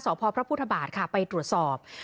พระพุทธบาทค่ะไปตรวจสอบ